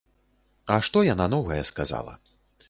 А што яна новае сказала?